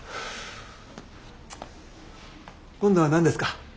今度は何ですか？